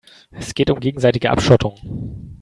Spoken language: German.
Es geht um gegenseitige Abschottung.